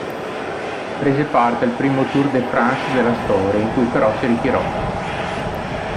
Prese parte al primo Tour de France della storia in cui però si ritirò.